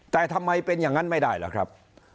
แต่ทำไมเป็นอย่างนั้นไม่ได้ล่ะครับ